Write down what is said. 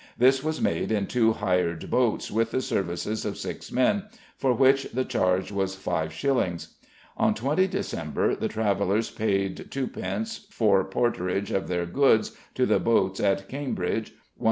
This was made in two hired boats (with the services of six men), for which the charge was 5s. On 20 December, the travellers paid 2d. for porterage of their goods to the boats at Cambridge, 1s.